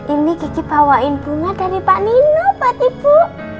ini gigi bawain bunga dari pak nino pak ibu